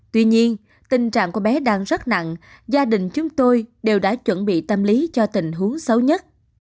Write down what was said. tuy nhiên tình trạng của bé đang rất nặng gia đình chúng tôi đều đã chuẩn bị tâm lý cho tình huống xấu nhất